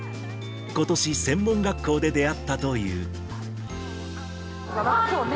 ことし、専門学校で出会ったという。